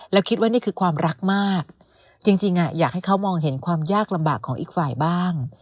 แล้วคิดว่านี่คือความรักมากจริงอยากให้เขามองเห็นความยากลำบากของอีกฝ่ายบ้าง